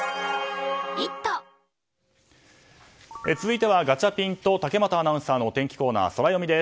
続いてはガチャピンと竹俣さんのお天気コーナー、ソラよみです。